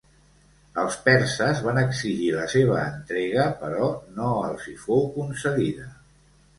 Els perses van exigir la seva entrega però no els hi fou concedida.